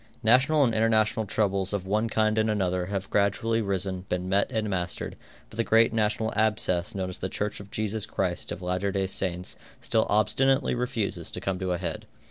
National and international troubles of one kind and another have gradually risen, been met and mastered, but the great national abscess known as the Church of Jesus Christ of Latter Day Saints still obstinately refuses to come to a head.